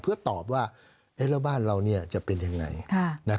เพื่อตอบว่าแล้วบ้านเราจะเป็นยังไง